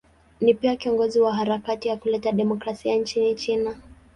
Ni pia kiongozi wa harakati ya kuleta demokrasia nchini China.